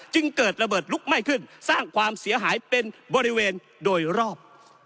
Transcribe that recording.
จึงเกิดระเบิดลุกไหม้ขึ้นสร้างความเสียหายเป็นบริเวณโดยรอบ